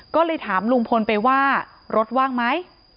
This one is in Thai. ก็เลยถามลุงพลไปว่ารถว่างไหม